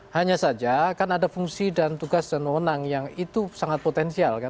hanya saja kan ada fungsi dan tugas dan mewenang yang itu sangat potensial kan